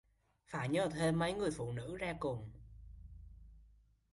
phải nhờ thêm mấy người phụ nữ ra cùng